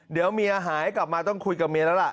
เดี๋ยวเมียหายกลับมาต้องคุยกับเมียแล้วล่ะ